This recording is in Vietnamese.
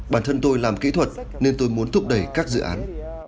bản thân tôi làm kỹ thuật nên tôi muốn thúc đẩy các dự án